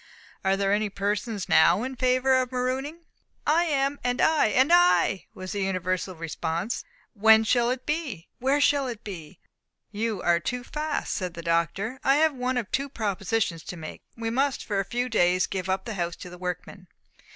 Are there any persons now in favour of marooning?" "I am and I and I!" was the universal response. "When shall it be? Where shall it be?" "You are too fast," said the Doctor. "I have one of two propositions to make. We must for a few days give up the house to the workmen.